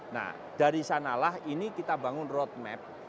nah dari sanalah ini kita bangun roadmap